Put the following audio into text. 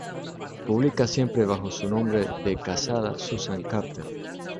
Publica siempre bajo su nombre de casada Susan Carter.